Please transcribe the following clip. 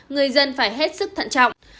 người dân phải hết sức thận trọng